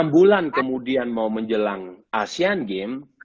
enam bulan kemudian mau menjelang asean games